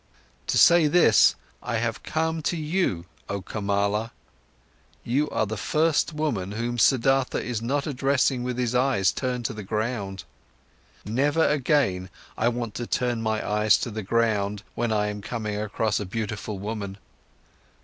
To say this, I have come to you, oh Kamala! You are the first woman whom Siddhartha is not addressing with his eyes turned to the ground. Never again I want to turn my eyes to the ground, when I'm coming across a beautiful woman."